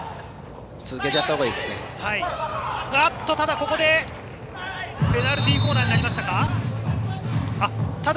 ここで、ペナルティーコーナーになりましたか。